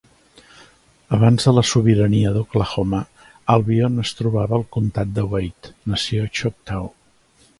Abans de la sobirania d'Oklahoma, Albion es trobava al comtat de Wade, Nació Choctaw.